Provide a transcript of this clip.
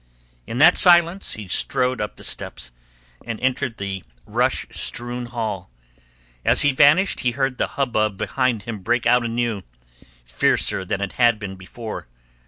In that silence he strode up the steps, and entered the rush strewn hall. As he vanished he heard the hubbub behind him break out anew, fiercer than it had been before.